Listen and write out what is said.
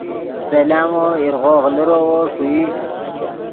دے لامو ایرغوغ لیروّو ݰوئی